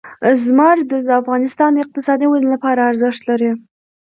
زمرد د افغانستان د اقتصادي ودې لپاره ارزښت لري.